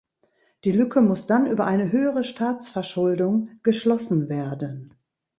Die Lücke muss dann über eine höhere Staatsverschuldung geschlossen werden.